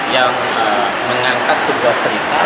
yang mengangkat sebuah cerita